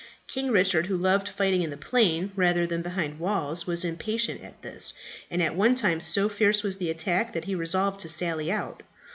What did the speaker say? King Richard, who loved fighting in the plain rather than behind walls, was impatient at this, and at one time so fierce was the attack that he resolved to sally out.